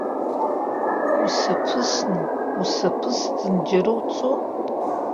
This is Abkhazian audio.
Усаԥысны, усаԥысӡан џьара уцо!